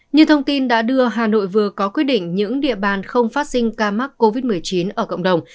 như thông tin đã đưa hà nội vừa có quyết định những địa bàn không phát sinh ca mắc covid một mươi chín ở cộng đồng